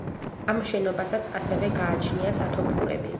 ამ შენობასაც ასევე გააჩნია სათოფურები.